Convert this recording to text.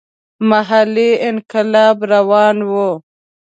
محلي انقلاب روان وو.